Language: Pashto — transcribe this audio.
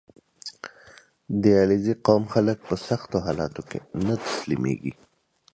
• د علیزي قوم خلک په سختو حالاتو کې نه تسلیمېږي.